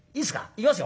行きますよ。